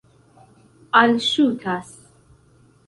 alŝutas